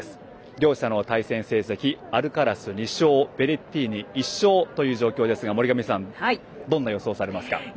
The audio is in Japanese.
両者の対戦成績アルカラス、２勝ベレッティーニが１勝という状況ですが森上さんどんな予想をされますか？